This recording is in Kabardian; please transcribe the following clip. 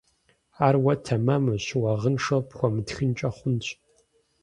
Ар уэ тэмэму, щыуагъэншэу пхуэмытхынкӀэ хъунщ.